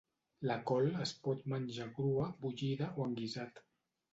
La col es pot menjar crua, bullida o en guisat.